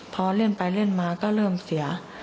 พอเล่นไปเล่นมาก็เริ่มเสีย